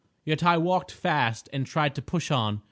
Yet I walked fast and tried to push on.